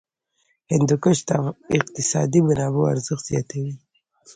هندوکش د اقتصادي منابعو ارزښت زیاتوي.